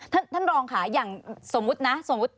ท่านรองขาอย่างสมมุตินะ